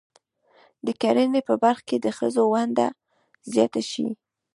د کرنې په برخه کې د ښځو ونډه زیاته شي.